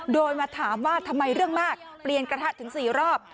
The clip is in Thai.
โดยมาถามว่าทำไมเรื่องมากเปลี่ยนกระทะถึง๔รอบ